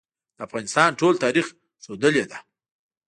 د افغانستان ټول تاریخ ښودلې ده.